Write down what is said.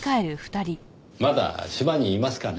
まだ島にいますかね？